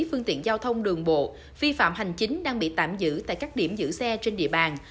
phương tiện giao thông đường bộ vi phạm hành chính đang bị tạm giữ tại các điểm giữ xe trên địa bàn